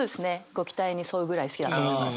ご期待に添うぐらい好きだなと思います。